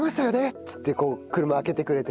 っつってこう車開けてくれて。